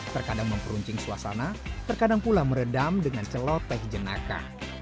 terkadang memperuncing suasana terkadang pula meredam dengan celoteh jenaka